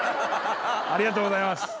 ありがとうございます！